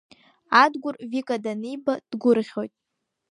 Адгәыр Вика даниба дгәырӷьоит.